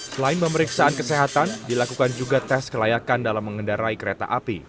selain pemeriksaan kesehatan dilakukan juga tes kelayakan dalam mengendarai kereta api